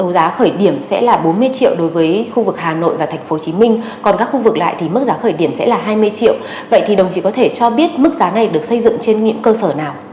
giá khởi điểm sẽ là bốn mươi triệu đối với khu vực hà nội và tp hcm còn các khu vực lại thì mức giá khởi điểm sẽ là hai mươi triệu vậy thì đồng chí có thể cho biết mức giá này được xây dựng trên những cơ sở nào